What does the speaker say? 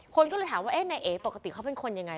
คนก็เลยถามว่านายเอ๋ปกติเขาเป็นคนยังไง